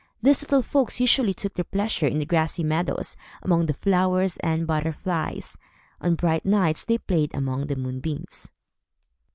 These little folks usually took their pleasure in the grassy meadows, among the flowers and butterflies. On bright nights they played among the moonbeams.